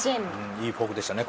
いいフォークでしたね